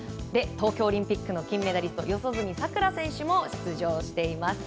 東京オリンピックの金メダリスト四十住さくら選手も出場しています。